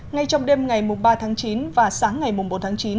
ngay trong đêm ngày ba tháng chín và sáng ngày bốn tháng chín